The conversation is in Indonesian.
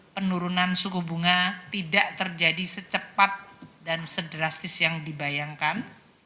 penurunan suku bunga tidak terjadi secepat dan sedrastis yang dibayangkan